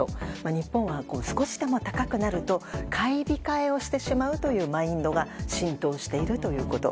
日本は少しでも高くなると買い控えをしてしまうというマインドが浸透しているということ。